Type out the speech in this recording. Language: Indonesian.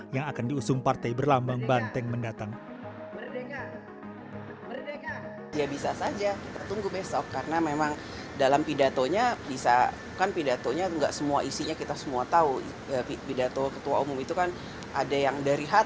yang akan diusung partai berlambang banteng mendatang